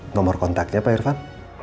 nomor kontaknya pak irfan